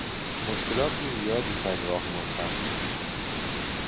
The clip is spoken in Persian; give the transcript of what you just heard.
مشکلات زیادی سر راهمان سبز شد.